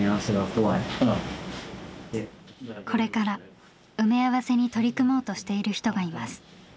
これから埋め合わせに取り組もうとしている人がいます。